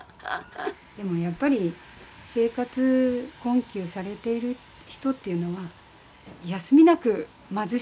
でもやっぱり生活困窮されている人っていうのは失礼します。